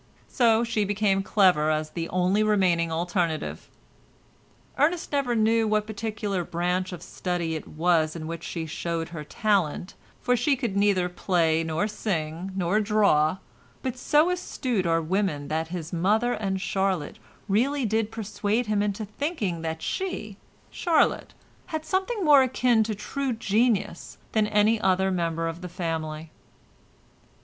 So she became clever as the only remaining alternative. Ernest never knew what particular branch of study it was in which she showed her talent, for she could neither play nor sing nor draw, but so astute are women that his mother and Charlotte really did persuade him into thinking that she, Charlotte, had something more akin to true genius than any other member of the family.